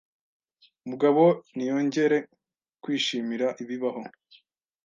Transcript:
Umugabo ntiyongere kumwishimira bibaho